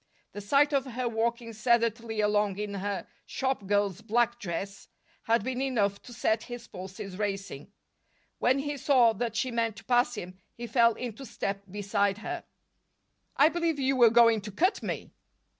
The sight of her walking sedately along in her shop girl's black dress had been enough to set his pulses racing. When he saw that she meant to pass him, he fell into step beside her. "I believe you were going to cut me!"